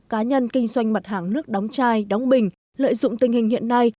cá nhân kinh doanh mặt hàng nước đóng chai đóng bình lợi dụng tình hình hiện nay